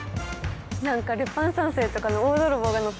何かルパン三世とかの大泥棒が乗ってそう。